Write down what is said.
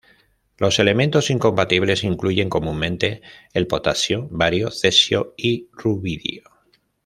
Los elementos incompatibles incluyen comúnmente el potasio, bario, cesio y rubidio.